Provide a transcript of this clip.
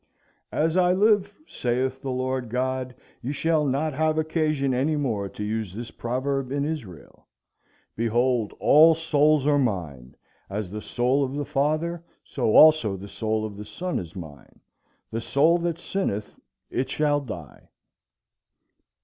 "As I live, saith the Lord God, ye shall not have occasion any more to use this proverb in Israel." "Behold all souls are mine; as the soul of the father, so also the soul of the son is mine: the soul that sinneth, it shall die."